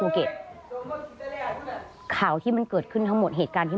เพื่อที่จะได้หายป่วยทันวันที่เขาชีจันทร์จังหวัดชนบุรี